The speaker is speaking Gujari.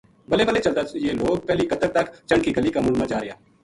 بلے بلے چلتاں یہ لوک پہلی کتک تک چنڈ کی گلی کا مُنڈھ ما جا رہیا